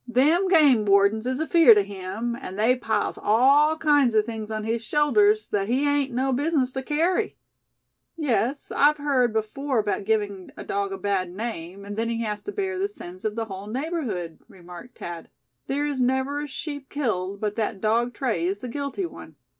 Them game wardens is afeerd o' him, and they piles all kinds o' things on his shoulders thet he hain't no business to kerry." "Yes, I've heard before about giving a dog a bad name, and then he has to bear the sins of the whole neighborhood," remarked Thad. "There is never a sheep killed but that Dog Tray is the guilty one.